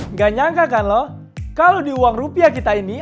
nggak nyangka kan loh kalau di uang rupiah kita ini